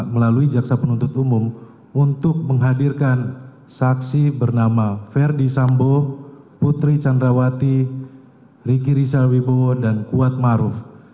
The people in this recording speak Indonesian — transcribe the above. melalui jaksa penuntut umum untuk menghadirkan saksi bernama ferdi sambo putri candrawati riki rizal dan kuatma ruf